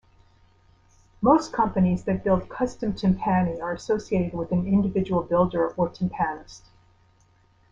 Most companies that build custom timpani are associated with an individual builder or timpanist.